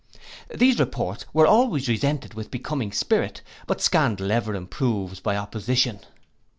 These reports we always resented with becoming spirit; but scandal ever improves by opposition.